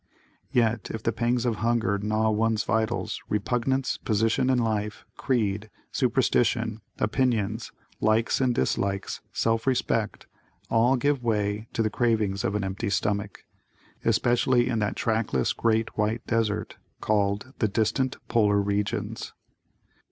Yet, if the pangs of hunger gnaw one's vitals, repugnance, position in life, creed, superstition, opinions, likes and dislikes, self respect, all give way to the cravings of an empty stomach; especially in that trackless great white desert called the "Distant Polar Regions."